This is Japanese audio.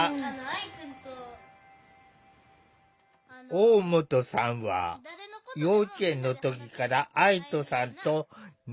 大本さんは幼稚園の時から愛土さんと仲よし。